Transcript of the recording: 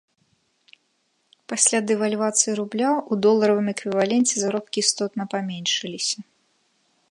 Пасля дэвальвацыі рубля, у доларавым эквіваленце заробкі істотна паменшыліся.